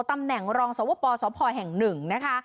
ตำแหน่งรองสวบปอสสวบพลอยแห่งหนึ่งนะคะ